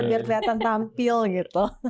biar kelihatan tampil gitu